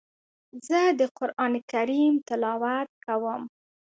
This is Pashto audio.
زه د قرآن کريم تلاوت کوم.